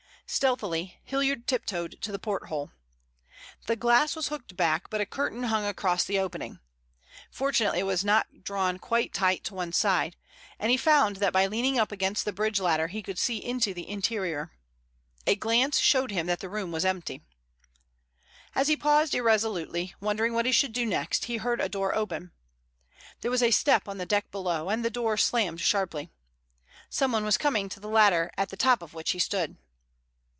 Stealthily Hilliard tiptoed to the porthole. The glass was hooked back, but a curtain hung across the opening. Fortunately, it was not drawn quite tight to one side, and he found that by leaning up against the bridge ladder he could see into the interior. A glance showed him that the room was empty. As he paused irresolutely, wondering what he should do next, he heard a door open. There was a step on the deck below, and the door slammed sharply. Someone was coming to the ladder at the top of which he stood.